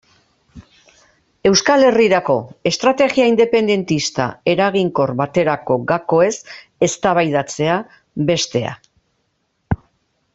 Euskal Herrirako estrategia independentista eraginkor baterako gakoez eztabaidatzea, bestea.